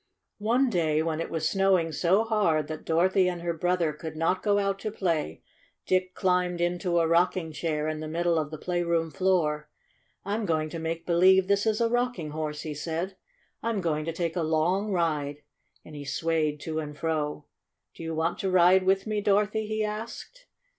One day when it was snowing so hard that Dorothy and her brother could not go out to play, Dick climbed into a rocking chair in the middle of the playroom floor. "I'm going to make believe this is a rocking horse," he said. "I'm going to take a long ride," and he swayed to and fro. "Do you want to ride with me, Dor othy?" he asked.